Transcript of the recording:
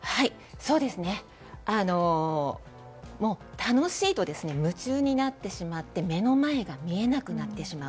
楽しいと夢中になってしまって目の前が見えなくなってしまう。